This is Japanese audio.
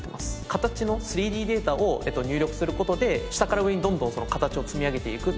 形の３Ｄデータを入力する事で下から上にどんどん形を積み上げていくっていう。